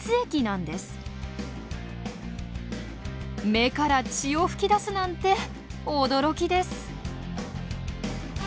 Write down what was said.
目から血を噴き出すなんて驚きです。